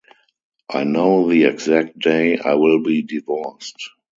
I know the exact day I will be divorced.